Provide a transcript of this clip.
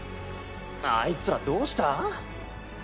あいつらどうした？